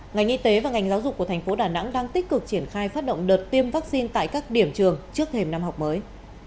ngành y tế và ngành giáo dục của thành phố đà nẵng đang tích cực triển khai phát động đợt tiêm vaccine tại các điểm trường trước thềm năm học mới